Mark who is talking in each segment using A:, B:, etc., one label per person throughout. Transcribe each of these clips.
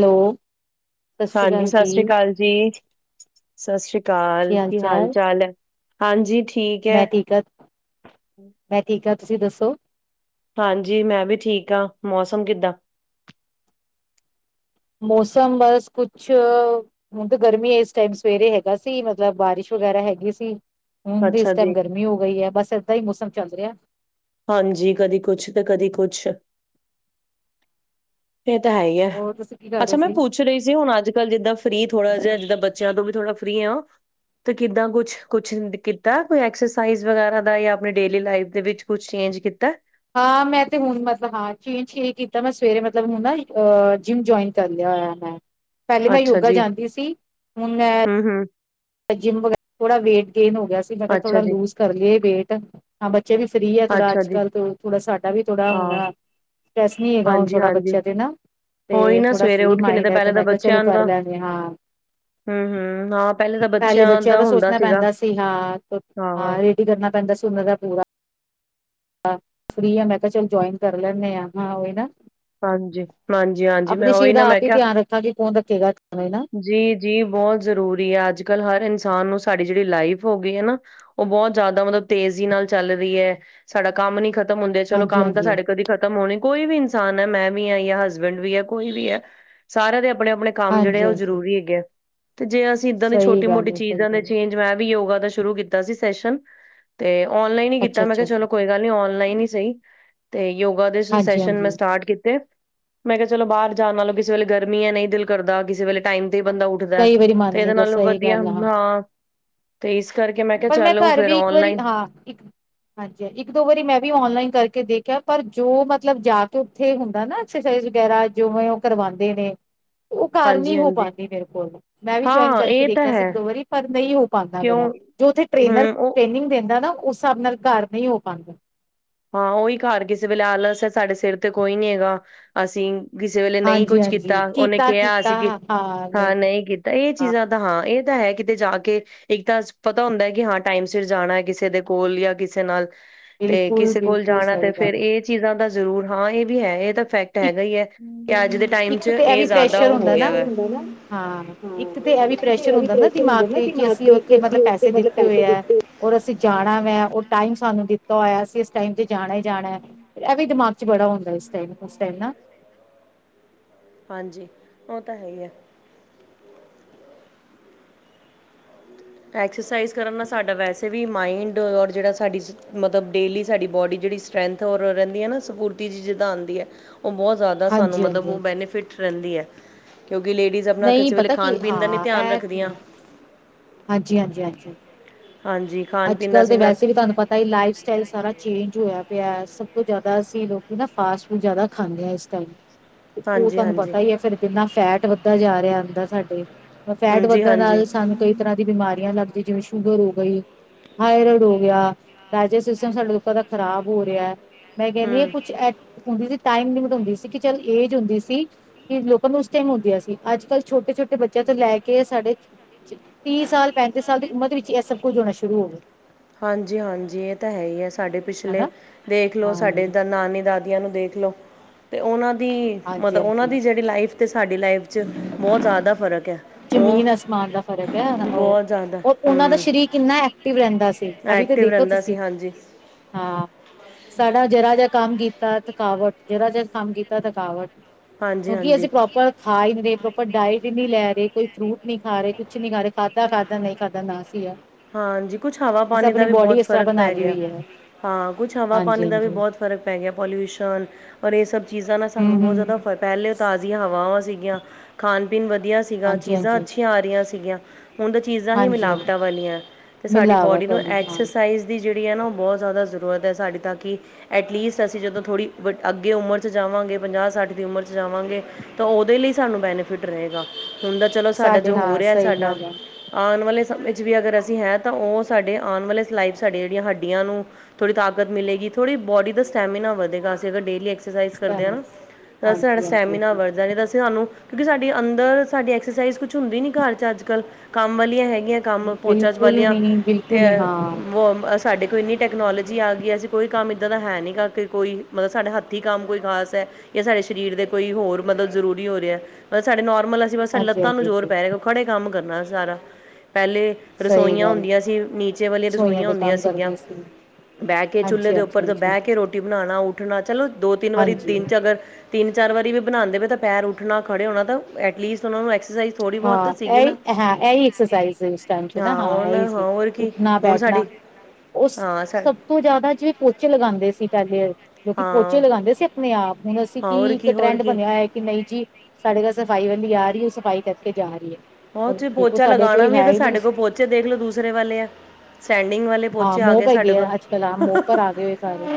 A: Hello. ਸਤਿ ਸ਼੍ਰੀ
B: ਹਾਂਜੀ,
A: ਅਕਾਲ
B: ਸਾਸ ਰੀ
A: ਜੀ,
B: ਕਾਲ ਜੀ। ਸਾਸ ਰੀ ਕਾਲ, ਕੀ ਹਾਲ ਚਾਲ ਐ? ਹਾਂਜੀ ਠੀਕ
A: ਮੈਂ ਠੀਕ ਹ, ਮੈਂ ਠੀਕ ਹਾਂ ਤੁਸੀਂ ਦੱਸੋ
B: ਹਾਂਜੀ, ਮੈਂ ਵੀ ਠੀਕ ਆਂ। ਮੌਸਮ ਕਿੱਦਾਂ।
A: ਮੌਸਮ ਬਸ ਕੁਛ ਹੁਣ, ਤੇ ਗਰਮੀ ਏਸ ਟਾਈਮ ਸਵੇਰੇ ਹੈਗਾ ਸੀ, ਮਤਲਬ, ਬਾਰਿਸ਼ ਵਗੈਰਾ ਹੈਗੀ ਸੀ। ਹੁਣ ਇਸ
B: ਅੱਛਾ
A: ਟਾਈਮ
B: ਜੀ,
A: ਗਰਮੀ ਹੋ ਗਈ ਹੈ ਬਸ ਏਦਾਂ ਹੀ ਮੌਸਮ ਚੱਲ ਰਿਹਾ
B: ਹਾਂਜੀ, ਕਦੀ ਕੁਛ, ਤੇ ਕਦੀ ਕੁਛ। ਏ ਤਾਂ ਹੈ ਈ ਹੈ,
A: ਹੋਰ ਤੁਸੀਂ ਕੀ ਕਰ ਰਹੇ
B: ਅੱਛਾ ਮੈਂ
A: ਸੀ?
B: ਪੁੱਛ ਰਹੀ ਸੀ ਹੁਣ ਅੱਜ ਕੱਲ ਜਿੱਦਾਂ ਫਰੀ ਥੋੜਾ ਜਿਹਾ ਜਿੱਦਾਂ ਬੱਚਿਆਂ ਤੋਂ ਵੀ ਥੋੜਾ ਫਰੀ ਆ ਤੇ ਕਿੱਦਾਂ ਕੁਛ, ਕੁਛ ਕੀਤਾ ਕੋਈ ਐਕਸਰਸਾਈਜ਼ ਵਗੈਰਾ ਦਾ ਜਾਂ ਆਪਣੀ ਡੇਲੀ ਲਾਈਫ ਦੇ ਵਿਚ ਕੁਛ, ਚੇਂਜ ਕੀਤਾ।
A: ਹਾਂ ਮੈਂ ਤੇ ਹੁਣ ਮਤਲਬ, ਹਾਂ ਚੇਂਜ ਕੀਤਾ ਮੈਂ ਸਵੇਰੇ ਮਤਲਬ ਹੁਣ ਨਾ ਅ ਜਿੰਮ ਜੁਆਇਨ ਲਲ ਲੇਆ ਹੋਇਆ। ਮੈਂ ਪੈਲੇ ਮੈਂ ਯੋਗਾ ਜਾਂਦੀ ਸੀ ਹੁਣ ਮੈਂ
B: ਹੁੰ, ਹੁੰ।
A: ਜਿੰਮ ਵਗੈਰਾ ਥੋੜਾ ਵੇਟ ਗੇਨ ਹੋ ਗਿਆ ਸੀ। ਮੈਂ ਕਿਆ,
B: ਅੱਛਾ
A: ਥੋੜਾ
B: ਜੀ,
A: ਲੂਜ ਕਰ ਲੀਏ ਵੇਟ। ਹਾਂ ਬੱਚੇ ਵੀ ਫਰੀ ਥੋੜਾ
B: ਅੱਛਾ
A: ਅੱਜ
B: ਜੀ,
A: ਕੱਲ੍ਹ, ਥੋੜ੍ਹਾ ਸਾਡਾ ਥੋੜਾ ਹ
B: ਹਾਂ
A: ਹੋਣਾ [unintelligible] ਨੀ, ਹੈਗਾ ਹੁਣ
B: ਹਾਂਜੀ
A: ਥੋੜਾ
B: ਹਾਂਜੀ
A: ਬੱਚਿਆਂ ਤੇ ਨਾ।
B: ਉਹੀ
A: ਤੇ
B: ਨਾ
A: ਥੋੜਾ
B: ਸਵੇਰੇ
A: ਫ੍ਰਰੀ
B: ਉੱਠ ਕੇ ਨਹੀਂ
A: ਮਾਈੰਡ ਐ, ਤੇ
B: ਪਹਿਲੇ
A: ਮੈਂ ਤਾਂ ਚਲੋ ਕਰ ਲੈਨੇਂ ਹਾਂ।
B: ਹੁੰ-ਹੁੰ, ਹਾਂ।
A: ਪਹਿਲੇ ਬੱਚਿਆਂ ਦਾ ਸੋਚਣਾ ਪੈਂਦਾ ਸੀ ਹਾਂ ਹਾਂ,
B: ਹਾਂ-ਹਾਂ,
A: ਰੇਡੀ ਕਰਨਾ ਪੈਂਦਾ ਸੀ ਉਹਨਾਂ ਦਾ ਪੂਰਾ। ਫਰੀ ਆ ਮੈਂ ਕਿਹਾ ਚਲੋ ਜੁਆਇਨ ਕਰ ਲੈਂਦੇ ਆਾਂ, ਹਾਂ ਉਹ ਨਾ।
B: ਹਾਂਜੀ। ਹਾਂਜੀ-ਹਾਂਜੀ, ਮੈਂ
A: ਆਪਣੇ ਸ਼ਰੀਰ
B: ਉਹੀ ਨਾ
A: ਦਾ
B: ਮੈਂ
A: ਆਪ ਹੀ ਧਿਆਨ ਰੱਖਾਂਗੇ ਕੌਣ ਰੱਖੇਗਾ ਨਾ।
B: ਜੀ ਜੀ ਬਹੁਤ ਜਰੂਰੀ ਹੈ ਅੱਜ ਕੱਲ ਹਰ ਇਨਸਾਨ ਨੂੰ ਸਾਡੀ ਜਿਹੜੀ ਲਾਈਫ ਹੋ ਗਈ ਹੈ ਨਾ ਉਹ ਬਹੁਤ ਜ਼ਿਆਦਾ ਮਤਲਬ ਤੇਜ਼ੀ ਨਾਲ ਚੱਲ ਰਹੀ ਹੈ। ਸਾਡਾ ਕੰਮ ਨੀ ਖਤਮ ਹੁੰਦੇ ਚਲੋ
A: ਹਾਂਜੀ
B: ਕੰਮ ਤਾਂ
A: ਹਾਂਜੀ
B: ਸਾਡੇ ਕਦੇ ਖਤਮ ਹੋਣੇ ਕੋਈ ਵੀ ਇਨਸਾਨ ਐ, ਮੈਂ ਵੀ ਆਈ ਆ ਹਸਬੈਂਡ ਵੀ ਐ ਕੋਈ ਵੀ ਐ ਸਾਰੇ ਦੇ ਆਪਣੇ-ਆਪਣੇ ਕੰਮ ਜਿਹੜੇ
A: ਹਾਂਜੀ
B: ਆ ਉਹ
A: ਹਾਂਜੀ
B: ਜਰੂਰੀ ਹੈਗੇ, ਤੇ ਜੇ ਅਸੀਂ ਇੱਦਾਂ ਦੀ
A: ਸਹੀ
B: ਛੋਟੀ
A: ਗੱਲ
B: ਮੋਟੀ
A: ਹੈ ਸਹੀ
B: ਚੀਜ਼ਾਂ ਦੇ
A: ਗੱਲ ਹੈ
B: ਚੇਂਜ। ਮੈਂ ਵੀ ਯੋਗਾ ਦਾ ਸ਼ੁਰੂ ਕੀਤਾ ਸੀ ਸੈਸ਼ਨ, ਤੇ ਔਨਲਾਈਨ ਹੀ ਕੀਤਾ
A: ਅੱਛਾ
B: ਮੈਂ ਕਿਹਾ
A: ਅੱਛਾ
B: ਚਲੋ ਕੋਈ ਚਲੋ ਔਨਲਾਈਨ ਹੀ ਸਹੀ, ਤੇ ਯੋਗਾ ਦੇ
A: ਹਾਂਜੀ
B: ਸੈਸ਼ਨ ਮੈਂ
A: ਹਾਂਜੀ
B: ਸਟਾਟ ਕੀਤੇ ਮੈਂ ਕਿਹਾ ਚਲੋ ਬਾਹਰ ਜਾਣ ਨਾਲੋਂ ਕਿਸੇ ਵੇਲੇ ਗਰਮੀ ਹੈ, ਨਹੀਂ ਦਿਲ ਕਰਦਾ ਕਿਸੇ ਵੇਲੇ ਟਾਈਮ ਤੇ ਬੰਦਾ, ਦਾ
A: ਕਈ ਵਾਰੀ ਮਨ
B: ਤੇ
A: ਨੀ
B: ਇਹਦੇ
A: ਗਾ
B: ਨਾਲੋਂ
A: ਸਹੀ
B: ਵਧੀਆ,
A: ਗੱਲ ਆ।
B: ਹਾਂ ਤੇ ਇਸ ਕਰਕੇ ਮੈਂ ਕਿਹਾ
A: ਪਰ
B: ਚਲੋ,
A: ਘਰ
B: ਫੇਿਰ
A: ਵੀ ਇੱਕ ਵਾਰੀ
B: ਔਨਲਾਈਨ।
A: ਹਾਂ ਇੱਕ ਹਾਂਜੀ, ਇੱਕ ਦੋ ਵਾਰੀ ਮੈਂ ਵੀ ਔਨਲਾਈਨ ਕਰਕੇ ਦੇਖਿਆ ਪਰ ਜੋ ਮਤਲਬ ਜਾ ਕੇ ਓਥੇ ਹੁੰਦਾ ਨਾ ਐਕਸਰਸਾਈਜ਼ ਵਗੈਰਾ ਜੋਵੇਂ ਓ ਕਰਵਾਂਦੇ ਨੇ। ਓ ਘਰ ਨੀ ਹੋ
B: ਹਾਂਜੀ-ਹਾਂਜੀ
A: ਪਾਂਦੀ ਮੇਰੇ ਕੋਲ। ਮੈਂ ਵੀ ਜੁਆਇਨ
B: ਹਾਂ
A: ਕਰਕੇ
B: ਇਹ ਤਾਂ
A: ਦੇਖਿਆ ਸੀ
B: ਹੈ
A: ਇੱਕ ਦੋ ਵਾਰੀ ਪਰ ਨਈ ਹੋ ਪਾਂਦਾ
B: ਕਿਉਂ
A: ਮੇਰਾ। ਓਥੇ ਟ੍ਰੇਨਰ
B: ਹੂੰ ਉਹ
A: ਟ੍ਰੇਨਿੰਗ ਦੇਂਦਾ ਨਾ, ਉਸ ਹਿਸਾਬ ਨਾਲ ਘਰ ਨਈ ਹੋ ਪਾਂਦਾ।
B: ਹਾਂ ਓਈ ਘਰ ਕਿਸੇ ਵੇਲੇ ਆਲਸ ਸਾਡੇ ਸਿਰ ਤੇ ਕੋਈ ਨੀ ਹੈਗਾ ਅਸੀਂ ਕਿਸੇ ਵੇਲੇ ਨਈ
A: ਹਾਂਜੀ
B: ਕੁਛ
A: ਹਾਂਜੀ
B: ਕੀਤਾ, ਓਨੇ ਕਿਹਾ
A: ਕੀਤਾ
B: ਅਸੀਂ ਕਿ
A: ਨਹੀਂ
B: ਹਾਂ ਨਈ ਕੀ ਤਾਂ ਏ ਚੀਜ਼ਾਂ ਤਾਂ ਹਾਂ ਏ ਤਾਂ ਹੈ ਕਿਤੇ ਜਾ ਕੇ ਇੱਕ ਤਾਂ ਪਤਾ ਹੁੰਦਾ ਕਿ ਹਾਂ ਟਾਈਮ ਸਿਰ ਜਾਣਾ ਕਿਸੇ ਦੇ ਕੋਲ ਯਾ ਕਿਸੇ ਨਾਲ। ਤੇ
A: ਬਿਲਕੁਲ।
B: ਕਿਸੇ ਕੋਲ
A: ਬਿਲਕੁਲ
B: ਜਾਣਾ 'ਤੇ
A: ਸਹੀ ਗੱਲ
B: ਫੇਰ
A: ਹੈ
B: ਏ ਚੀਜ਼ਾਂ ਦਾ ਜ਼ਰੂਰ ਹਾਂ ਏ, ਵੀ ਹੈ ਏ ਤਾਂ ਫੈਕ ਤਾਂ
A: ਇੱਕ
B: ਹੈਗਾ ਹੀ ਐ ਕਿ ਅੱਜ ਦੇ ਟਾਈਮ
A: ਇੱਕ
B: 'ਚ
A: ਤੇ ਇਹ
B: ਏ
A: ਵੀ
B: ਜਾਦਾ
A: ਪ੍ਰੈਸ਼ਰ
B: ਹੋ
A: ਹੁੰਦਾ
B: ਗਿਆ
A: ਨਾ
B: ਵਾ।
A: ਹਾਂ
B: ਹੁੰਦਾ ਨਾ,
A: ਇੱਕ ਤਾਂ ਏ
B: ਹਾਂ
A: ਵੀ
B: ਇੱਕ ਤੇ
A: ਪ੍ਰੈਸ਼ਰ
B: ਇਹ ਵੀ
A: ਹੁੰਦਾ ਨਾ
B: ਹੁੰਦਾ
A: ਦਿਮਾਗ
B: ਨਾ
A: ਤੇ ਕਿ ਅਸੀਂ
B: ਤੇ
A: ਓਥੇ
B: ਕਿ
A: ਮਤਲਬ
B: ਅਸੀਂ ਉੱਥੇ
A: ਪੈਸੇ
B: ਮਤਲਬ
A: ਦਿੱਤੇ ਹੋਏ
B: ਪੈਸੇ
A: ਐ।
B: ਦਿੱਤੇ
A: ਔਰ ਅਸੀਂ ਜਾਣਾ ਵੈ, ਉਹ ਟਾਈਮ ਸਾਨੂੰ ਦਿੱਤਾ ਹੋਇਆ ਅਸੀਂ ਇਸ ਟਾਈਮ ਤੇ ਜਾਣਾਂ ਹੀ ਜਾਣਾਂ ਐ। ਔਰ ਐ ਵੀ ਦਿਮਾਗ 'ਚ ਬੜਾ ਹੁੰਦਾ ਉਸ ਟਾਈਮ ਉਸ ਟਾਈਮ ਨਾ।
B: ਹਾਂਜੀ, ਓ ਤਾਂ ਹੈ ਈ ਐ। ਐਕਸਰਸਾਈਜ਼ ਕਰਨ ਨਾਲ ਸਾਡਾ ਵੈਸੇ ਵੀ ਮਾਇਂਡ ਔਰ ਜਿਹੜਾ ਸਾਡੀ ਮਤਲਬ ਡੇਲੀ ਸਾਡੀ ਬੋਡੀ ਜਿੜੀ ਸਟਰੈਂਥ ਓ ਰਹਿੰਦੀ ਐ ਨਾ ਸਫੂਰਤੀ ਜੀ ਜਿਦਾਂ ਆਂਦੀ ਐ ਓ ਬੋਤ ਜਾਦਾ ਸਾਨੂੰ
A: ਹਾਂਜੀ ਹਾਂਜੀ
B: ਮਤਲਬ ਓ
A: ਹਾਂਜੀ
B: ਬੈਨੀਫਿਟ ਰਹਿੰਦੀ ਐ ਕਿਉਂਕਿ ਲੇਡੀਜ਼ ਜੇ ਆਪਣਾ
A: ਨਹੀਂ
B: ਕਿਸੇ ਵੇਲੇ
A: ਪਤਾ ਕੀ
B: ਖਾਨ ਪੀਨ ਦਾ ਨੀ
A: ਹਾਂ
B: ਧਿਆਨ
A: ਇਹ ਤੇ
B: ਰੱਖਦੀਆਂ।
A: ਹੈ ਹਾਂਜੀ, ਹਾਂਜੀ, ਹਾਂਜੀ।
B: ਹਾਂਜੀ। ਖਾਣ ਪੀਣ ਦਾ
A: ਅੱਜ-ਕੱਲ੍ਹ
B: ਅਸੀਂ
A: ਤੇ
B: ਇੰਨਾ
A: ਵੈਸੇ ਵੀ ਤੁਆਨੁ ਪਤ ਤਾਂ ਏ ਲਾਈਫ ਸਟਾਈਲ ਸਾਰਾ ਚੇਂਜ ਹੋਇਆ ਪਿਆ, ਸਭ ਤੋਂ ਜਾਦਾ ਅਸੀਂ ਲੋਕੀ ਨਾ ਫਾਸਟ ਫੂਡ ਜਾਦਾ ਖਾਂਦੇ ਆਂ ਇਸ ਟਾਈਮ। ਤੇ ਓ
B: ਹਾਂਜੀ
A: ਤੁਹਾਨੂੰ
B: ਹਾਂਜੀ
A: ਪਤਾ ਹੀ ਐ ਸਾਨੂੰ ਕਿੰਨਾ ਫੈਟ ਵੱਧਦਾ ਜਾ ਰਿਹਾ ਅੰਦਰ ਸਾਡੇ। ਔਰ ਫੈਟ
B: ਹਾਂਜੀ
A: ਵੱਧਣ
B: ਹਾਂਜੀ
A: ਨਾਲ ਸਾਨੂੰ ਕਈ ਤਰ੍ਹਾਂ ਦੀ ਬਿਮਾਰੀਆਂ ਲੱਗਦੀ ਜਿਵੇਂ ਸ਼ੂਗਰ ਹੋ ਗਈ। ਥਾਈਰੈਡ ਹੋ ਗਿਆ ਡਾਇਜਸਟ ਸਿਸਟਮ ਸਾਡੇ ਲੋਕਾਂ ਦਾ ਖਰਾਬ ਹੋ ਰਿਹਾ, ਮੈਂ ਕਹਿੰਦੀ ਆਂ
B: ਹੂੰ
A: ਕੁਛ ਇੱਕ ਹੁੰਦੀ ਸੀ ਟਾਈਮ ਲਿਮਿਟ ਹੁੰਦੀ ਸੀ ਕਿ ਚੱਲ ਏਜ ਹੁੰਦੀ ਸੀ। ਕਿ ਲੋਕਾਂ ਨੂੰ ਉਸ ਟਾਈਮ ਹੁੰਦੀਆਂ ਸੀ, ਅੱਜ-ਕੱਲ੍ਹ ਛੋਟੇ-ਛੋਟੇ ਬੱਚਿਆਂ ਤੋਂ ਲੈ ਕੇ ਸਾਡੇ ਤੀਹ ਸਾਲ, ਪੈਂਤੀ ਸਾਲ ਦੀ ਉਮਰ ਦੇ ਵਿੱਚ ਐ ਸਭ ਕੁੱਝ ਹੋਣਾ ਸ਼ੁਰੂ ਹੋ ਗਿਆ।
B: ਹਾਂਜੀ-ਹਾਂਜੀ, ਏ ਤਾਂ ਹੈ ਈ ਹੈ, ਸਾਡੇ ਪਿਛਲੇ
A: ਹਨਾ
B: ਦੇਖ ਲੋਂ
A: ਹਾਂ
B: ਸਾਡੇ ਦਾ ਨਾਨੀ, ਦਾਦੀ ਦਿਆਂ ਨੂੰ ਦੇਖ ਲੋ 'ਤੇ ਓਨਾਂ ਦੀ
A: ਹਾਂਜੀ
B: ਮਤਲਬ ਓਨਾਂ
A: ਹਾਂਜੀ
B: ਦੀ ਜੇੜੀ ਲਾਈਫ 'ਤੇ ਸਾਡੀ ਲਾਈਫ 'ਚ ਬੋਤ ਜਾਦਾ ਫ਼ਰਕ ਐ।
A: ਜ਼ਮੀਨ ਅਸਮਾਨ ਦਾ ਫ਼ਰਕ ਐ ਓ
B: ਜ਼ਿਆਦਾ
A: ਓ, ਓਨਾਂ ਦਾ
B: ਹੂੰ
A: ਸਰੀਰ ਕਿੰਨਾ ਐਕਟਿਵ ਰਹਿੰਦਾ ਸੀ ਐਵੀਂ ਤਾਂ
B: ਐਕਟਿਵ
A: ਦੇਖੋ
B: ਰਹਿੰਦਾ
A: ਤੁਸੀਂ,
B: ਸੀ ਹਾਂਜੀ
A: ਹਾਂ। ਸਾਡਾ ਜਰਾ ਜਾ ਕੰਮ ਕੀਤਾ ਥਕਾਵਟ, ਜਰਾ ਜਾ ਕੰਮ ਕੀਤਾ ਥਕਾਵਟ।
B: ਹਾਂਜੀ
A: ਕਿਉਂਕਿ
B: ਹਾਂਜੀ
A: ਅਸੀਂ ਪ੍ਰੋਪਰ ਖਾ ਹੀ ਨੀ ਰਹੇ, ਪ੍ਰੋਪਰ ਡਾਇਟ ਹੀ ਨੀ ਲੈ ਰਹੇ। ਕੋਈ ਫਰੂਟ ਨਈ ਖਾ ਰੇ, ਕੁੱਛ ਨੀ ਖਾ ਰੇ,, ਖਾਧਾ, ਖਾਧਾ ਨਹੀਂ ਖਾਧਾ ਨਾ ਸਈ ਯਾਰ।
B: ਹਾਂਜੀ, ਕੁਛ ਹਵਾ ਪਾਨੀ ਦਾ ਵੀ ਬੋਤ ਫ਼ਰਕ
A: ਬਣਾ
B: ਪੈ
A: ਲਈ
B: ਗਿਆ।
A: ਹੋਈ ਹੈ
B: ਹਾਂ ਕੁਛ ਹਵਾ
A: ਹਾਂਜੀ
B: ਪਾਨੀ ਦਾ ਵੀ
A: ਹਾਂਜੀ
B: ਬੋਤ ਫ਼ਰਕ ਪੈ ਗਿਆ ਪੋਲਿਊਸ਼ਨ ਔਰ ਏ ਸਭ ਚੀਜ਼ਾਂ ਨਾ
A: ਹੂੰ
B: ਸਾਨੂੰ ਬੋਤ
A: ਹੂੰ
B: ਜਾਦਾ ਫਰਕ ਪਹਿਲੇ ਤਾਜ਼ੀਆਂ ਹਵਾਵਾਂ ਸੀਗੀਆਂ, ਖਾਨ ਪੀਨ ਵਧੀਆ ਸੀਗਾ,
A: ਹਾਂਜੀ
B: ਚੀਜ਼ਾਂ
A: ਹਾਂਜੀ
B: ਅੱਛੀਆਂ ਆ ਰਹੀਆਂ ਸੀਗੀਆਂ। ਹੁਨ ਤਾਂ ਚੀਜ਼ਾਂ ਹੀ
A: ਹਾਂਜੀ ਹਾਂਜੀ
B: ਮਿਲਾਵਟਾਂ ਵਾਲੀਆਂ। ਤੇ ਸਾਡੀ ਬੋਡੀ
A: ਮਿਲਾਵਟ
B: ਨੂੰ
A: ਵਾਲੀ ਹਾਂ
B: ਐਕਸਰਸਾਈਜ਼ ਦੀ ਜੇੜੀ ਹੈ ਨਾ ਓ ਬੋਤ ਜਾਦਾ ਜ਼ਰੂਰਤ ਹੈ ਸਾਡੀ, ਤਾਂ ਕਿ ਐਟਲੀਸਟ ਅਸੀਂ ਜਦੋਂ ਥੋੜ੍ਹੀ ਅੱਗੇ ਉਮਰ 'ਚ ਜਾਵਾਂਗੇ, ਪੰਜਾਹ-ਸੱਠ ਦੀ ਉਮਰ 'ਚ ਜਾਵਾਂਗੇ ਤੋਂ ਓਦੇ ਲਈ ਸਾਨੂੰ ਬੈਨੀਫਿਟ ਰਹੇਗਾ, ਹੁਨ ਤਾਂ ਚਲੋ ਸਾਡਾ
A: ਸਾਡੇ
B: ਜੋ ਹੋ
A: ਹਾਂ
B: ਰਿਹਾ,
A: ਸਹੀ
B: ਸਾਡਾ
A: ਗੱਲ ਹੈ
B: ਆਨ ਵਾਲੇ ਸਮੇਂ 'ਚ ਵੀ ਅਗਰ ਜੇ ਹੈ ਤਾਂ ਓ ਸਾਡੇ ਆਨ ਵਾਲੇ ਲਾਈਫ ਸਾਡੀਆਂ ਜਿਹੜੀਆਂ ਹੱਡੀਆਂ ਨੂੰ ਥੋੜੀ ਤਾਕਤ ਮਲੇਗੀ, ਥੋੜੀ ਬੋਡੀ ਦਾ ਸਟੈਮਿਨਾ ਵਧੇਗਾ, ਅਸੀਂ ਅਗਰ ਡੇਲੀ ਐਕਸਰ ਐਕਸਰਸਾਈਜ਼ ਕਰਦਿਆਂ,
A: ਹਾਂਜੀ
B: ਸਾਡਾ
A: ਹਾਂਜੀ
B: ਸਟੈਮੀਨਾ
A: ਹਾਂਜੀ
B: ਵੱਧਜਾ ਸਾਨੂੰ ਕਿਉਂਕਿ ਸਾਡੀ ਅੰਦਰ, ਸਾਡੀ ਐਕਸਰਸਾਈਜ਼ ਕੁਛ ਹੁੰਦੀ ਨੀ ਘਰ'ਚ ਅੱਜ-ਕੱਲ ਕੰਮ ਵਾਲੀਆਂ ਹੈਗੀਆ ਕੰਮ ਪੋਚਾਚ
A: ਬਿਲਕੁਲ
B: ਵਾਲੀਆਂ,
A: ਨਹੀਂ ਬਿਲਕੁਲ
B: ਤੇ
A: ਨਹੀਂ ਹਾਂ
B: ਸਾਡੇ ਕੋਲ ਇੰਨੀ ਟੈਕਨੋਲੋਜੀ ਆ ਗਈ ਆ, ਅਸੀਂ ਕੋਈ ਕੰਮ ਇੱਦਾਂ ਦਾ ਹੈ ਨਹੀਂਗਾ ਕੇ ਕੋਈ, ਮਤਲਬ ਸਾਡੇ ਹੱਥੀਂ ਕੰਮ ਕੋਈ ਖਾਸ ਹੈ। ਏ ਸਾਡੇ ਸਰੀਰ ਦੇ ਕੋਈ, ਹੋਰ ਮਤਲਬ ਜ਼ਰੂਰੀ ਹੋ ਰਿਹਾ, ਮਤਬ ਸਾਡੇ ਨੌਰਮਲ ਜਿਵੇ ਸਾਡੇ
A: ਹਾਂਜੀ
B: ਲੱਤਾਂ ਨੂੰ
A: ਹਾਂਜੀ
B: ਜ਼ੋਰ
A: ਹਾਂਜੀ
B: ਪੈ ਰਿਹਾ, ਖੜੇ ਕੰਮ ਕਰਨਾ ਸਾਰਾ ਪਹਿਲੇ
A: ਸਹੀ
B: ਰਸੋਈਆਂ
A: ਗੱਲ ਹੈ।
B: ਹੁੰਦੀਆਂ ਸੀ। ਨੀਚੇ ਵਾਲੀਆ
A: ਸੂਈਆਂ
B: ਰਸੋਈਆਂ
A: ਦੇ
B: ਹੁੰਦੀਆਂ
A: ਕੰਮ
B: ਸੀਗੀਆਂ।
A: ਕਰਦੇ ਸੀ
B: ਬਹਿਕੇ ਚੁੱਲ੍ਹੇ
A: ਹਾਂਜੀ
B: ਦੇ
A: ਹਾਂਜੀ
B: ਉੱਪਰ ਤੇ
A: ਹਾਂਜੀ
B: ਬਹਿਕੇ ਰ੍ਹੋਟੀ ਬਣਾਣਾ, ਉੱਠਣਾ ਚਲੋ ਦੋ- ਤਿੰਨ ਵਾਰੀ
A: ਹਾਂਜੀ
B: ਦਿਨ'ਚ ਅਗਰ ਤਿੰਨ-ਚਾਰ ਵਾਰੀ ਵੀ ਬਣਾਂਦੇ ਪਏ ਤਾਂ ਪੈਰ ਉੱਠਣਾ, ਖੜੇ ਹੋਣਾ, ਤਾਂ ਐਟਲੀਸਟ ਥੋਨੂੰ ਐਕਸਰਸਾਈਜ਼ ਥੋੜ੍ਹੀ ਬਹੁਤ ਸੀਗੀ ਨਾ।
A: ਹਾ, ਐਈ ਐਕਸਰਸਾਈਜ਼ ਸੀ, ਉਸ ਟਾਇਮ'ਚ
B: ਹਾਂ ਹੁਣ ਹਾਂ
A: ਨਾ,
B: ਹੋਰ ਕੀ
A: ਉੱਠਣਾ
B: ਹੁਣ
A: ਬੈਠਣਾ।
B: ਸਾਡੀ
A: ਉਹ
B: ਹਾਂ ਸ
A: ਸਭ ਤੋਂ ਜ਼ਿਆਦਾ ਜਿਵੇਂ ਪੋਚੇ ਲਗਾਂਦੇ ਸੀ ਪਹਿਲੇ, ਲੋਕੀ ਪੋਚੇ
B: ਹਾਂ
A: ਲਗਾਂਦੇ ਸੀ। ਅਪਣੇ-ਆਪ ਹੁਣ ਅਸੀਂ
B: ਹਾਂ
A: ਕੀ,
B: ਹੋਰ
A: ਇੱਕ
B: ਹੋਰ
A: ਟਰੈਂਡ
B: ਕੀ
A: ਬਣਿਆ ਹੋਇਆ ਕਿ ਨਹੀ ਜੀ। ਸਾਡੇ ਘਰ ਸਫ਼ਾਈ ਵਾਲੀ ਆ ਰਹੀ ਏ, ਸਫ਼ਾਈ ਕਰਕੇ ਜਾਰੀ ਏ।
B: ਉਹ ਤੁਸੀ ਪੋਚਾ ਲਗਾਣਾ ਵੀ ਆ ਤੇ ਸਾਡੇ ਕੋਲ ਪੋਚੇ ਦੇਖਲੋ ਦੂਸਰੇ ਵਾਲੇ ਆ। ਸਟੈਂਡਿੰਗ ਵਾਲੇ
A: ਹਾਂ
B: ਪੋਚੇ ਆ
A: ਮੋਪ
B: ਗਏ ਸਾਡੇ
A: ਹੈੈਗੇ
B: ਕੋਲ
A: ਆ, ਅੱਜ-ਕੱਲ ਆ ਮੋਪ੍ਹਰ ਆ ਗਏ ਹੋਏ ਸਾਰੇ।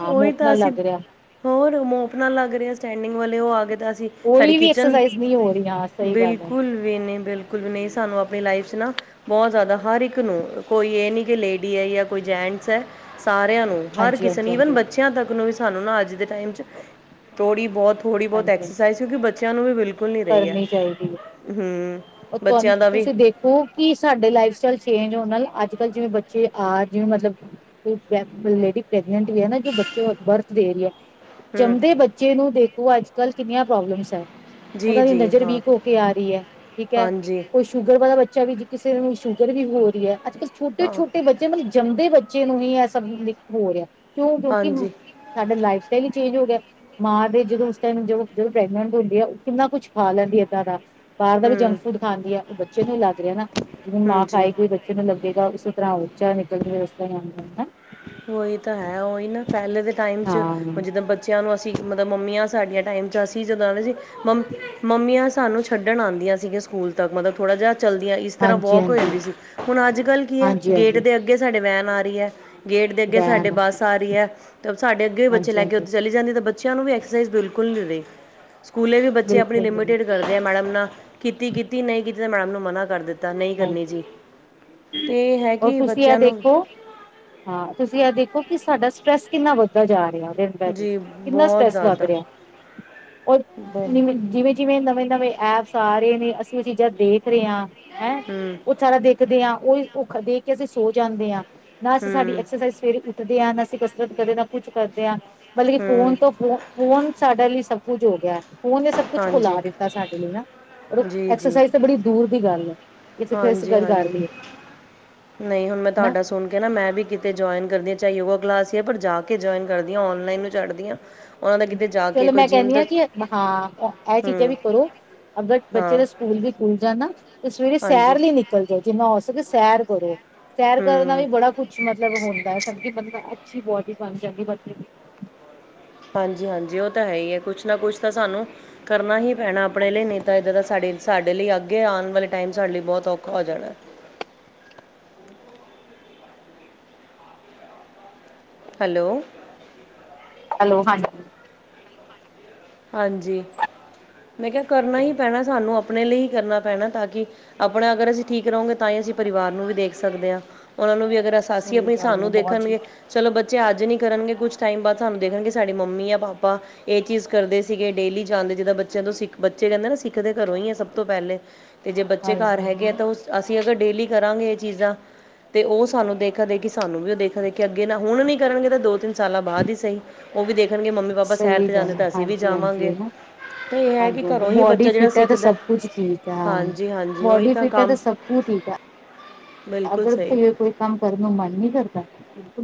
A: ਹਾਂ, ਮੋਪ
B: ਤਾਂ
A: ਨਾਲ
B: ਅਸੀਂ
A: ਲੱਗ ਰਿਹਾ।
B: ਹੋਰ, ਮੋਪ ਨਾਲ ਲੱਗ ਰਿਹਾ ਸਟੈਂਡਿੰਗ ਵਾਲੇ ਉਹ ਆ ਗਏ ਤਾਂ ਅਸੀਂ ਸਾਡੀ
A: ਕੋਈ ਵੀ
B: ਕਿਚਨ
A: ਐਕਸਰਸਾਈਜ਼ ਨਹੀਂ ਹੋ ਰਹੀ ਹਾਂ ਸਹੀ ਗੱਲ ਹੈ
B: ਬਿਲਕੁਲ ਵੀ ਨਹੀ, ਬਿਲਕੁਲ ਵੀ ਨਹੀਂ, ਸਾਨੂੰ ਆਪਣੀ ਲਾਈਫ'ਚ ਨਾ ਬਹੁਤ ਜ਼ਿਆਦਾ, ਹਰ ਇੱਕ ਨੂੰ। ਕੋਈ ਇਹ ਨਹੀ ਕਿ, ਲੇਡੀ ਹੈ ਯਾ ਕੋਈ ਜੈਂਟਸ ਐ। ਸਾਰਿਆਂ ਨੂੰ, ਹਰ
A: ਹਾਂਜੀ
B: ਕਿਸੇ
A: ਹਾਂਜੀ
B: ਨੂੰ
A: ਹਾਂਜੀ
B: ਈਵਨ ਬੱਚਿਆਂ ਤੱਕ ਨੂੰ ਵੀ ਸਾਨੂੰ ਨਾ, ਅੱਜ ਦੇ ਟਾਈਮ'ਚ ਥੋੜੀ ਬਹੁਤ, ਥੋੜੀ ਬਹੁਤ
A: ਹਾਂਜੀ ਹਾਂਜੀ
B: ਐਕਸਰਸਾਈਜ਼ ਕਿਉਂਕਿ ਬੱਚਿਆਂ ਨੂੰ ਵੀ ਬਿਲਕੁਲ ਨੀ ਰਹੀ ਐ।
A: ਕਰਨੀ ਚਾਹੀਦੀ ਹੈ
B: ਹੂੰ
A: ਉਹ ਤੁਹਾਂਨੂੰ,
B: ਬੱਚਿਆਂ ਦਾ ਵੀ
A: ਤੁਸੀਂ ਦੇਖ ਹੋ ਕੀ ਸਾਡੇ ਲਾਈਫ ਸਟਾਈਲ ਚੇਂਜ ਹੋਣ ਨਾਲ, ਅੱਜ-ਕੱਲ ਜਿਵੇਂ ਬੱਚੇ ਆ, ਜਿਵੇਂ ਮਤਲਬ ਕੋਈ ਲੇਡੀ ਪ੍ਰੈਗਨੈਂਟ ਵੀ ਐਨਾ, ਜੋ ਬੱਚੇ ਬਰਥ ਦੇ ਰਹੀ ਹੈ
B: ਹੂੰ
A: ਜੰਮਦੇ ਬੱਚੇ ਨੂੰ ਦੇਖੋ, ਅੱਜ-ਕੱਲ ਕਿੰਨੀਆਂ ਪ੍ਰੋਬਲਮਸ ਹੈ। ਉਹਦਾ
B: ਜੀ
A: ਨਹੀਂ ਹੁੰਦਾ,
B: ਜੀ
A: ਜਿਹੜੀ
B: ਹਾਂ
A: ਵੀਕ ਹੋਕੇ ਆ ਰਹੀ ਹੈ, ਠੀਕ ਹੈ।
B: ਹਾਂਜੀ
A: ਕੋਈ ਸ਼ੂਗਰ ਵਾਲਾ ਬੱਚਾ ਵੀ, ਜੇ ਕਿਸੇ ਨੂੰ ਸ਼ੂਗਰ ਵੀ ਹੋ ਰਹੀ ਏ ਅੱਜ-ਕਲ
B: ਹਾਂ
A: ਛੋਟੇ-ਛੋਟੇ ਬੱਚੇ ਮਤਲਬ, ਜੰਮਦੇ ਬੱ ਬੱਚੇ ਨੂੰ ਵੀ ਐ ਸਭ ਹੋ ਰਿਹਾ। ਕਿਉਂ, ਕਿਉਂਕਿ
B: ਹਾਂਜੀ
A: ਸਾਡਾ ਲਾਈਫ ਸਟਾਈਲ ਹੀ ਚੇਂਜ ਹੋਗਿਆ। ਮਾਂ ਦੇ ਜਦੋਂ ਉਸ ਟਾਈਮ ਜਦ ਜਦੋਂ ਪ੍ਰੈਗਨੈਂਟ ਹੁੰਦੀ ਆ, ਉਹ ਕਿੰਨਾ ਕੁਛ ਖਾ ਲੈਂਦੀ ਏ, ਏਦਾਂ ਦਾ ਬਾਹਰ
B: ਹੂੰ
A: ਜੰਕ-ਫੂਡ ਖਾਂਦੀ ਹੈ, ਉਹ ਬੱਚੇ ਨੂੰ ਹੀ ਲੱਗ ਰਿਹਾ ਨਾ, ਜਿਵੇਂ
B: ਹੂੰ
A: ਮਾਂ
B: ਜੀ
A: ਖਾਏਗੀ ਬੱਚੇ ਨੂੰ ਲੱਗੇਗਾ, ਉਸੀ ਤਰ੍ਹਾਂ ਉਚਾ ਨਿਕਲਕੇ, ਉਸੀ ਤਰ੍ਹਾਂ
B: ਉਹੀ ਤਾ ਹੈ, ਉਹੀ ਨਾ। ਪਹਿਲੇ ਦੇ ਟਾਈਮ'ਚ ਹੁਨ
A: ਹਾਂ
B: ਜਿੱਦਾਂ ਬੱਚਿਆਂ ਨੂੰ ਅਸੀਂ, ਮਤਲਬ ਮੰਮੀਆਂ ਸਾਡੀਆਂ ਟਾਈਮ 'ਚ ਅਸੀਂ ਜਦੋਂ ਮੰ, ਮੰਮੀਆਂ ਸਾਨੂੰ ਛੱਡਣ ਆਂਦੀਆ ਸੀਗੀਆ ਸਕੂਲ ਤੱਕ, ਮਤਲਬ ਥੋੜ੍ਹਾ ਜਿਹਾ ਚੱਲਦੀਆਂ, ਇਸ ਤਰ੍ਹਾਂ
A: ਹਾਂਜੀ
B: ਵੌਕ ਹੋ
A: ਹਾਂਜੀ
B: ਜਾਂਦੀ ਸੀ। ਹੁਣ ਅੱਜ-ਕੱਲ ਕੀ ਐ,
A: ਹਾਂਜੀ
B: ਗੇਟ
A: ਹਾਂਜੀ
B: ਦੇ ਅੱਗੇ ਸਾਡੇ ਵੈਨ ਆ ਰਹੀ ਹੈ। ਗੇਟ ਦੇ ਅੱਗੇ ਸਾਡੇ
A: ਵੈਨ
B: ਬੱਸ ਆ ਰਹੀ ਐ, ਤਾ ਸਾਡੇ ਅੱਗੇ ਵੀ ਬੱਚੇ
A: ਹਾਂਜੀ
B: ਲੈਕੇ
A: ਹਾਂਜੀ
B: ਉੱਥੇ ਚਲੀ ਜਾਂਦੀ, ਤਾਂ ਬੱਚ ਬੱਚਿਆਂ ਨੂੰ ਵੀ ਐਕਸਰਸਾਈਜ਼ ਬਿਲਕੁਲ ਮਿਲੇ, ਸਕੂਲੇ ਵੀ ਬੱਚੇ ਆਪਣੀ
A: ਬਿਲਕੁਲ ਬਿਲਕੁਲ
B: ਲਿਮਿਟੇਡ ਕਰਦੇ ਆ ਮੈਡਮ ਨਾਲ, ਕੀਤੀ-ਕੀਤੀ, ਨਹੀਂ ਕੀਤੀ ਤਾਂ ਮੈਡਮ ਨੂੰ ਮਨਾ ਕਰ ਏਦਾਂ ਨਹੀਂ ਕਰਨੀ
A: ਹਾਂਜੀ।
B: ਜੀ, ਤੇ
A: ਔਰ
B: ਹੈ‌ਕੀ
A: ਤੁਸੀਂ ਇਹ
B: ਬੱਚਿਆਂ ਨੂੰ ਵੀ
A: ਦੇਖੋ ਹਾਂ, ਤੁਸੀਂ ਆ ਦੇਖੋ, ਕਿ ਸਾਡਾ ਸ੍ਟ੍ਰੈਸ ਕਿੰਨਾ ਵੱਧਦਾ ਜਾ ਰਿਹਾ ਵੇ।
B: ਜੀ
A: ਕਿੰਨਾ
B: ਬਹੁਤ
A: ਸ੍ਟ੍ਰੈਸ ਵੱਧ
B: ਜ਼ਿਆਦਾ
A: ਰਿਹਾ, ਓਰ,
B: ਹੂੰ
A: ਜਿਵੇਂ, ਜਿਵੇਂ ਜਿਵੇਂ ਨਵੇਂ-ਨਵੇਂ ਐਪਸ ਆ ਰਹੇ ਨੇ, ਅਸੀ ਉਹ ਚੀਜ਼ਾਂ ਦੇਖ ਰਹੇ ਹਾਂ, ਹੈਂ।
B: ਹੂੰ
A: ਸਾਰਾ ਦੇਖਦੇ ਹਾਂ, ਉਹੀ ਉਹ ਦੇਖਕੇ ਅਸੀਂ ਸੌ ਜਾਂਦੇ ਆਂ, ਨਾ ਅਸੀਂ ਸਾਡੀ
B: ਹੂੰ
A: ਐਕਸਰਸਾਈਜ਼ ਸਵੇਰੇ ੳਠਦਿਆਂ, ਨਾ ਅਸੀ ਕਸਰਤ ਕਦੇ ਨਾ ਕੁਝ ਕਰਦੇ ਆਂ, ਮਤਲਬ ਕਿ ਫੋਨ ਤੋਂ ਫੋਨ ਫੋਨ, ਸਾਡੇ ਲਈ ਸਭ ਕੁਝ ਹੋਗਿਆ। ਉਹਨੇ ਸਭ ਕੁਛ
B: ਹਾਂਜੀ
A: ਬੁਲਾ ਦਿੱਤਾ ਸਾਡੇ ਲਈ ਨਾ, ਪਰ
B: ਜੀ
A: ਐਕਸਰਸਾਈਜ਼ ਤਾਂ ਬੜੀ ਦੂਰ ਦੀ ਗੱਲ ਐ।
B: ਹਾਂਜੀ-ਹਾਂਜੀ, ਨਹੀਂ ਹੁਣ ਮੈਂ
A: ਨਾ
B: ਤੁਹਾਡਾ ਸੁਣ ਕਹਿਣਾ, ਮੈਂ ਵੀ ਕਿਤੇ ਜੁਆਇੰਨ ਕਰਦੀ ਚਾਹੇ ਯੋਗਾ ਕਲਾਸ ਹੀ ਪਰ ਜਾਕੇ ਜੁਆਇੰਨ ਕਰਦੀ ਹਾਂ, ਔਨਲਾਈਨ ਨੂੰ ਛੱੜਦੀ ਹਾਂ। ਉਹਨਾਂ ਦਾ ਕਿਤੇ ਜਾ ਕੇ
A: ਚਲੋ
B: ਕੋਈ
A: ਮੈਂ
B: ਜਿਮ
A: ਕਹਿੰਨੀ
B: ਦਾ
A: ਆਂ, ਕਿ ਹਾਂ। ਐ ਚੀਜ਼ਾਂ
B: ਹੂੰ
A: ਵੀ ਕਰੋ ਅਗਰ ਬੱਚੇ
B: ਹਾਂ
A: ਦਾ ਸਕੂਲ ਵੀ ਖੁੱਲ ਜਾਣਾ ਤੇ ਸਵੇਰੇ
B: ਹਾਂਜੀ
A: ਸੈਰ ਲਈ ਨਿਕਲ ਜਾਓ, ਜਿੰਨਾ ਹੋ ਸਕੇ ਸੈਰ ਕਰੋ। ਸੈਰ ਕਰਨਾ ਵੀ
B: ਹੂੰ
A: ਬੜਾ ਕੁਝ ਮਤਲਬ ਹੁੰਦਾ ਚੰਗਾ ਬੰਦਾ ਅੱਛੀ ਬੋਡੀ ਬਣ ਜਾਂਦੀ ਬਲਕਿ
B: ਹਾਂਜੀ ਹਾਂਜੀ ਉਹ ਤਾਂ ਹੈ ਹੀ ਐ। ਕੁਛ ਨਾਂ ਕੁਛ ਤਾਂ ਸਾਨੂੰ ਕਰਨਾ ਹੀ ਪੈਣਾ ਆਪਣੇ ਲਈ ਨਈਂ ਤਾਂ ਏਦਾਂ ਦਾ ਸਾਡੇ ਸਾਡੇ ਲਈ ਅੱਗੇ ਆਣ ਵਾਲੇ ਟਾਈਮ ਚ ਸਾਡੇ ਲਈ ਬਹੁਤ ਔਖਾ ਹੋ ਜਾਣਾ ਐ। ਹੈਲੋ।
A: ਹੈਲੋ, ਹਾਂਜੀ।
B: ਹਾਂਜੀ, ਮੈਂ ਕਿਹਾ ਕਰਨਾ ਹੀ ਪੈਣਾ ਸਾਨੂੰ ਆਪਣੇ ਲਈ ਹੀ। ਕਰਨਾ ਪੈਣਾ ਤਾਂ ਕਿ ਆਪਣਾ ਅਗਰ ਅਸੀਂ ਠੀਕ ਰਹੋਗੇ ਤਾਂ ਹੀ ਅਸੀਂ ਪਰਿਵਾਰ ਨੂੰ ਵੀ ਦੇਖ ਸਕਦੇ ਆਂ ਉਹਨਾਂ ਨੂੰ ਵੀ ਅਗਰ ਸਾਸੀ
A: ਸਹੀ
B: ਆਪੀ
A: ਗੱਲ ਹੈ
B: ਸਾਨੂੰ
A: ਬੋਡੀ
B: ਦੇਖਣਗੇ। ਚਲੋ ਬੱਚੇ ਅੱਜ ਨੀਂ ਕਰਨਗੇ, ਕੁਛ ਟਾਈਮ ਬਾਅਦ ਸਾਨੂੰ ਦੇਖਣਗੇ ਸਾਡੀ ਮੰਮੀ ਜਾਂ ਪਾਪਾ ਇਹ ਚੀਜ਼ ਕਰਦੇ ਸੀਗੇ ਡੇਲੀ ਜਾਂਦੇ ਜਿਦਾਂ ਬੱਚਿਆਂ ਤੋਂ ਸਿੱਖ ਬੱਚੇ ਕਿਹੰਦੇ ਨੇ ਸਿੱਖ ਸਿੱਖਦੇ ਘਰੋਂ ਈ ਐ ਸਭ ਤੋਂ ਪਹਿਲੇ ਤੇ ਜੇ ਬੱਚੇ ਘਰ
A: ਹਾਂਜੀ ਹਾਂਜੀ
B: ਹੈਗੇ ਆ
A: ਨਾ
B: ਤਾਂ ਉਸ ਅਸੀਂ ਅਗਰ ਡੇਲੀ ਕਰਾਂਗੇ ਇਹ ਚੀਜ਼ਾਂ ਤੇ ਉਹ ਸਾਨੂੰ ਦੇਖਾ ਦੇਖੀ ਸਾਨੂੰ ਵੀ ਉਹ ਦੇਖ ਦੇਖ ਅੱਗੇ ਨਾਂ ਹੁਣ ਨੀ ਕਰਨਗੇ, ਤਾਂ ਦੋ-ਤਿੰਨ ਸਾਲਾਂ ਬਾਅਦ ਹੀ ਸਹੀ, ਉਹ ਵੀ ਦੇਖਣਗੇ ਮੰਮੀ ਪਾਪਾ ਸੈਰ
A: ਸਹੀ
B: ਤੇ ਜਾਂਦੇ
A: ਗੱਲ ਹੈ,
B: ਤਾਂ ਅਸ
A: ਹਾਂਜੀ, ਹਾਂਜੀ, ਹਨਾਂ।
B: ਕਿ
A: ਹਾਂਜੀ, ਹਾਂਜੀ
B: ਘਰੋਂ ਹੀ
A: ਬੋਡੀ
B: ਬੱਚਾ ਜਿਹੜਾ
A: ਫਿਟ ਐ ਤੇ
B: ਸਿੱਖਦਾ
A: ਸਭ ਕੁਝ ਠੀਕ ਐ।
B: ਹਾਂਜੀ ਹਾਂਜੀ ਉਹੀ
A: ਬੋਡੀ
B: ਤਾਂ
A: ਫਿਟ ਐ
B: ਕੰਮ
A: ਤੇ ਸਭ ਤੂੰ ਠੀਕ ਆ।
B: ਬਿਲਕੁਲ ਸਹੀ।
A: ਫਿਰ ਕੋਈ ਕੰਮ ਕਰਨ ਨੂੰ ਮਨ ਨੀਂ ਕਰਦਾ।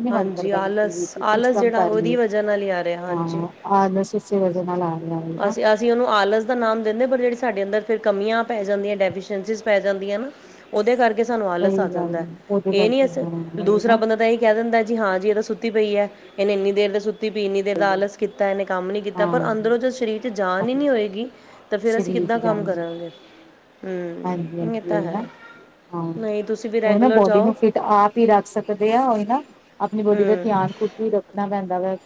A: ਨੀ ਮਨ
B: ਹਾਂਜੀ
A: ਕਰਦਾ ਬਿਲਕੁਲ
B: ਆਲਸ,
A: ਵੀ ਕੁਛ
B: ਆਲਸ
A: ਕੰਮ
B: ਜਿਹੜਾ
A: ਕਰ ਲਈਏ
B: ਉਹਦੀ ਵਜ੍ਹਾ ਨਾਲ ਈ ਆ ਰਿ
A: ਹਾਂ, ਆਲਸ ਇਸੇ ਵਜ੍ਹਾ ਨਾਲ ਆ ਰਿਹਾ ਐ ਨਾਂ।
B: ਅਸੀਂ ਅਸੀਂ ਉਹਨੂੰ ਆਲਸ ਦਾ ਨਾਮ ਦਿੰਦੇ ਪਰ ਜਿਹੜੀ ਸਾਡੇ ਅੰਦਰ, ਫਿਰ ਕਮੀਆਂ ਪੈ ਜਾਂਦੀਆਂ, ਡੈਫੀਸੇ਼ਂਅੰਸਿਸ ਪੈ ਜਾਂਦੀਆਂ ਆ ਨਾਂ। ਉਹਦੇ ਕਰਕੇ ਸਾਨੂੰ
A: ਸਹੀ
B: ਆਲਸ ਆ
A: ਗੱਲ
B: ਜਾਂਦਾ।
A: ਐ, ਉਹਦੇ
B: ਇਹ ਨੀਂ
A: ਕਰਕੇ ਹਾਂ ਉਹੀ
B: ਦੂਸਰਾ
A: ਨਾ
B: ਬੰਦਾ ਤਾਂ ਇਹੀ ਕਹਿ ਦਿੰਦਾ ਜੀ ਹਾਂ ਜੀ ਇਹ ਤਾਂ ਸੁੱਤੀ ਪਈ ਐ, ਇਹਨੇ ਇੰਨੀ ਦੇਰ ਦੇ ਸੁੱਤੀ ਤੇ ਵੀ ਇੰਨੀ ਦੇਰ ਨਾਲ ਕੀਤਾ ਇਹਨੇਂ ਕੰਮ ਨਹੀਂ ਕੀਤਾ। ਪਰ ਅੰਦਰੋਂ
A: ਹਾਂ
B: ਜੋ ਸਰੀਰ ਚ ਜਾਨ ਈ ਨਹੀਂ ਹੋਏਗੀ ਤੇ ਫੇਰ ਅਸੀਂ
A: ਸਰੀਰ ਚ
B: ਕਿੱਦਾਂ ਕੰਮ
A: ਜਾਣਗੇ
B: ਕਰਾਂਗੇ।
A: ਹਾਂਜੀ
B: ਹਂ, ਇਹ
A: ਹਾਂਜੀ
B: ਤਾਂ
A: ਉਹੀ ਨਾ
B: ਹੈ
A: ਹਾਂ
B: ਨਈਂ ਤੁਸੀਂ ਵੀ
A: ਉਹ ਨਾ
B: ਰੈਗੂਲਰ
A: ਬੋਡੀ
B: ਜਾਓ।
A: ਨੂੰ ਫਿਟ ਆਪ ਰੱਖ ਸਕਦੇ ਆ ਉਹੀ ਨਾਂ, ਆਪਣੀ ਬੋਡੀ ਦਾ
B: ਹੂੰ
A: ਧਿਆਨ ਖੁਦ ਨੂੰ ਹੀ ਰੱਖਣਾ ਪੈਂਦਾ ਵੈ।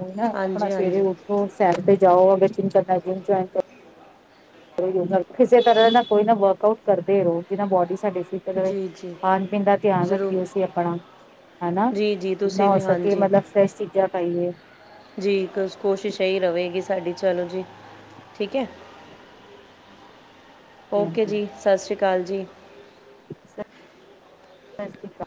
A: ਹੁਣ ਨਾਂ ਆਪਣਾ
B: ਹਾਂਜੀ
A: ਸਵੇਰੇ
B: ਹਾਂਜੀ
A: ਉੱਠੋ ਸੈਰ ਤੇ ਜਾਓ, ਅਗਰ ਜਿੰਮ ਕਰਨਾ ਜਿੰਮ ਜੁਆਇਨ ਕਰੋ। ਕਿਸੇ ਤਰ੍ਹਾਂ ਨਾਲ ਕੋਈ ਨਾਂ ਵਰਕ ਆਊਟ ਕਰਦੇ ਰਹੋ ਜਿਹਦੇ ਨਾਲ ਬੋਡੀ ਸਾਡੀ ਫੇਰ
B: ਜੀ ਜੀ
A: ਖਾਣ-ਪੀਣ ਦਾ ਧਿਆਨ
B: ਜ਼ਰੂਰ
A: ਰੱਖੀਏ ਅਸੀਂ ਆਪਣਾ। ਹਨਾਂ?
B: ਜੀ ਜੀ
A: ਜਿੰਨਾ
B: ਤੁਸੀਂ
A: ਹੋ
B: ਵੀ
A: ਸਕੇ
B: ਹਾਂਜੀ
A: ਮਤਲਬ ਫਰੇਸ਼ ਚੀਜ਼ਾਂ ਖਾਈਏ।
B: ਜੀ ਕੁ ਕੋਸ਼ਿਸ਼ ਇਹੀ ਰਹੇਗੀ, ਸਾਡੀ ਚਲੋ ਜੀ, ਠੀਕ ਐ।
A: ਹਾਂਜੀ
B: ਓਕੇ
A: ਹਾਂਜੀ
B: ਜੀ, ਸਤਿ ਸ਼੍ਰੀ ਅਕਾਲ ਜੀ।
A: ਸਤਿ ਸ਼੍ਰੀ ਅਕਾਲ।